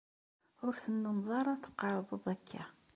Ur tennumeḍ ara teqqareḍ-d akka.